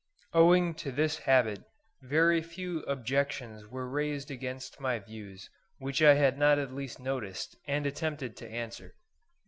Owing to this habit, very few objections were raised against my views which I had not at least noticed and attempted to answer.